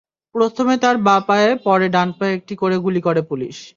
প্রথমে তাঁর বাঁ পায়ে পরে ডান পায়ে একটি করে গুলি করে পুলিশ।